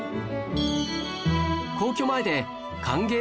皇居前で歓迎